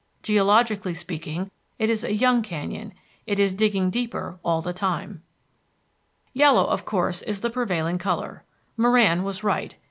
Geologically speaking, it is a young canyon. It is digging deeper all the time. Yellow, of course, is the prevailing color. Moran was right.